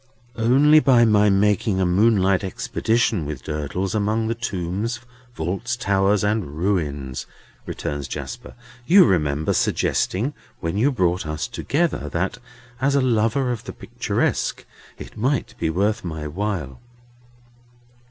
"Only by my making a moonlight expedition with Durdles among the tombs, vaults, towers, and ruins," returns Jasper. "You remember suggesting, when you brought us together, that, as a lover of the picturesque, it might be worth my while?"